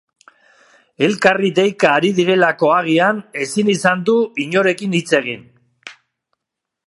Elkarri deika ari direlako agian, ezin izan du inorekin hitz egin.